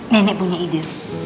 nenek punya ide